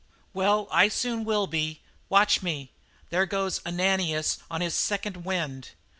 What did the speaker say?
"Well, I will be soon. Watch me! There goes Ananias on his second wind."